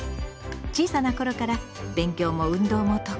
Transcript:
小さな頃から勉強も運動も得意。